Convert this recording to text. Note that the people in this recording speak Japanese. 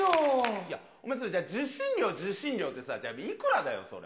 いや、お前それ、受信料、受信料ってさ、いくらだよ、それ。